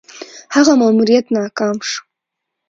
هغه ماموریت ناکام شو.